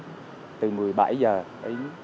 để tự nhiên để tự nhiên để tự nhiên để tự nhiên